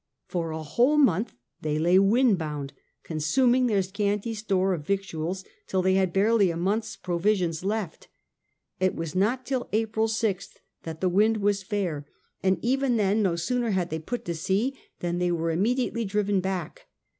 For a whole month they lay wind bound, consuming their scanty store of victuals till they had barely a month's provisions left. It was not till April 6th that the wind was fair, and even then N 178 SII^ FRANCIS DRAKE chap. no sooner had they put to sea than they were im mediately driven back.